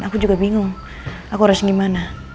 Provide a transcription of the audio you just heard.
aku juga bingung aku harusnya gimana